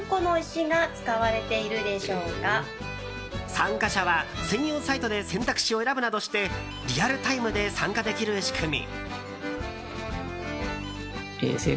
参加者は専用サイトで選択肢を選ぶなどしてリアルタイムで参加できる仕組み。